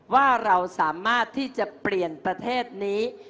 ว่าเราสามารถที่จะเปลี่ยนประเทศนี้